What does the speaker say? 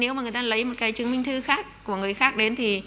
nếu mà người ta lấy một cái chứng minh thư khác của người khác đến thì